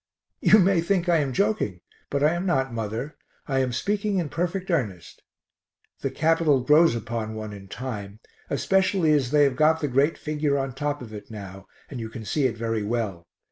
You may think I am joking, but I am not, mother I am speaking in perfect earnest. The Capitol grows upon one in time, especially as they have got the great figure on top of it now, and you can see it very well.